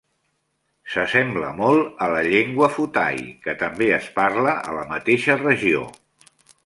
S'assembla molt a la llengua Phuthai, que també es parla a la mateixa regió.